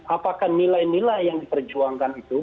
apakah nilai nilai yang diperjuangkan itu